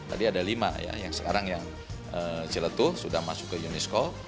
tadi ada lima ya yang sekarang yang ciletuh sudah masuk ke unesco